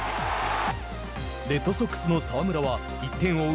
レッドソックスの澤村は１点を追う